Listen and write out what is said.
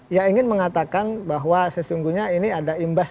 ya ingin mengatakan bahwa sesungguhnya ini ada imbas